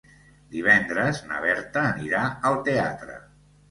Divendres na Berta anirà al teatre.